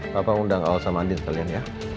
papa undang elsa mandi sekalian ya